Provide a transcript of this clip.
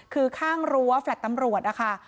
คือข้างรั้วแฟลต์ตำรวจนะคะ